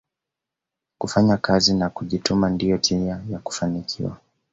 kufanya kazi na kujituma ndiyo njia ya kufanikiwa